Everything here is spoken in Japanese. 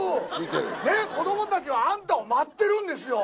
ねっ子どもたちはアンタを待ってるんですよ。